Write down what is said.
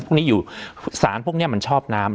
พวกนี้อยู่สารพวกนี้มันชอบน้ำ